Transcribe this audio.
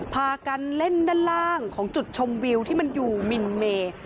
พากันเล่นด้านล่างของจุดชมวิวที่มันอยู่มินเมย์